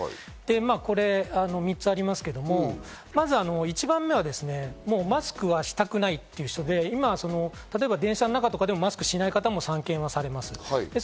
これ３つありますけど、まず１番目はもうマスクはしたくないって人で、例えば、電車の中でも、今、マスクをしていない方が散見されます。